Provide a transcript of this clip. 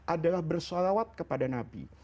adalah bersalawat kepada nabi